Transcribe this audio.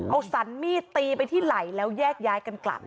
เอาสรรมีดตีไปที่ไหล่แล้วแยกย้ายกันกลับ